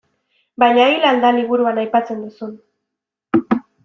Baina hil al da liburuan aipatzen duzun.